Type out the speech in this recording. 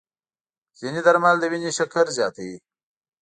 ځینې درمل د وینې شکر زیاتوي.